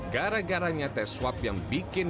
gara garanya tes swab yang bikin